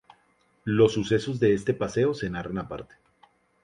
Los sucesos de ese paseo se narran aparte.